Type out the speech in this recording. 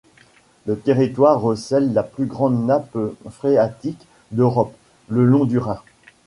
Le territoire recèle la plus grande nappe phréatique d'Europe, le long du Rhin.